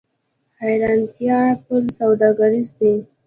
حیرتان پل سوداګریز دی؟